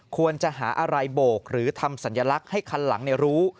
ควรจะหาอะไรโบกหรือทำสัญลักษณ์ให้คันหลังรู้